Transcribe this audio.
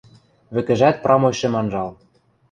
Вӹкӹжӓт прамой шӹм анжал.